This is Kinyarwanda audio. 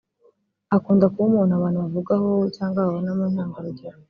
Akunda kuba umuntu abantu bavugaho cyangwa babonamo intangarugero